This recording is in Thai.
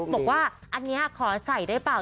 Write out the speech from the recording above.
บอกว่าอันนี้ขอใส่ได้เปล่า